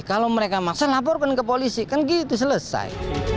kalau mereka maksa laporkan ke polisi kan gitu selesai